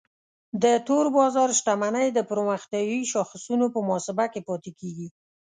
د تور بازار شتمنۍ د پرمختیایي شاخصونو په محاسبه کې پاتې کیږي.